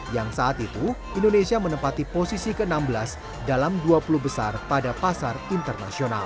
yang saat itu indonesia menempati posisi ke enam belas dalam dua puluh besar pada pasar internasional